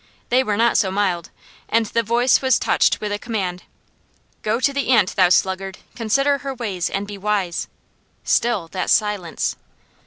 They were not so mild, and the voice was touched with command: "Go to the ant, thou sluggard, consider her ways and be wise." Still that silence.